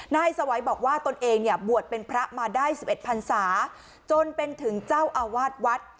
สวัยบอกว่าตนเองเนี่ยบวชเป็นพระมาได้๑๑พันศาจนเป็นถึงเจ้าอาวาสวัด